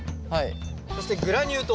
そしてグラニュー糖